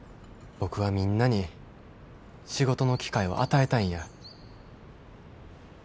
僕はみんなに仕事の機会を与えたいんや。